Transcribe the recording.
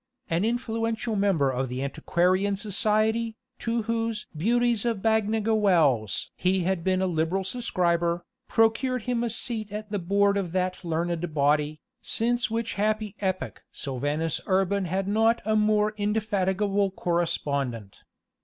An influential member of the Antiquarian Society, to whose "Beauties of Bagnigge Wells" he had been a liberal subscriber, procured him a seat at the board of that learned body, since which happy epoch Sylvanus Urban had not a more indefatigable correspondent.